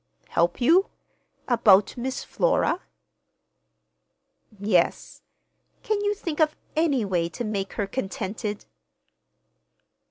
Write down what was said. "Help you?—about Miss Flora?" "Yes. Can you think of any way to make her contented?"